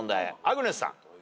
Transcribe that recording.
アグネスさん。